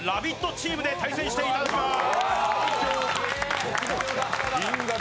チームで対決していただきます。